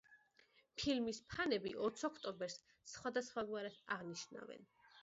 ფილმის ფანები ოც ოქტომბერს სხვადასხვაგვარად აღნიშნავენ.